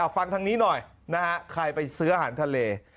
ฟังทางนี้หน่อยนะฮะใครไปซื้ออาหารทะเล